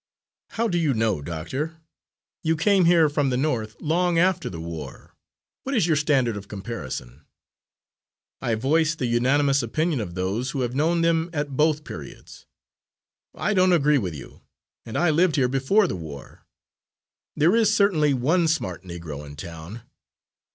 "How do you know, doctor? You came here from the North long after the war. What is your standard of comparison?" "I voice the unanimous opinion of those who have known them at both periods." "I don't agree with you; and I lived here before the war. There is certainly one smart Negro in town.